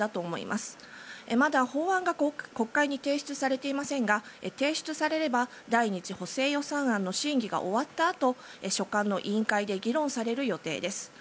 まだ法案が国会に提出されていませんが提出されれば第２次補正予算案の審議が終わったあと所管の委員会で議論される予定です。